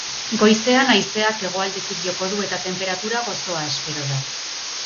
Goizean haizeak hegoaldetik joko du eta tenperatura gozoa espero da.